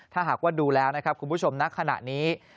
ถ้าหากว่าดูแล้วนะครับคุณผู้ชมณขณะนี้